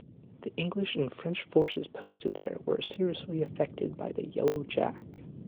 Both English and French forces posted there were seriously affected by the "yellow jack".